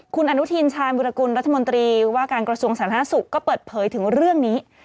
คุณอนุทินชาญวิรากุลรัฐมนตรีว่าการกระทรวงสาธารณสุขก็เปิดเผยถึงเรื่องนี้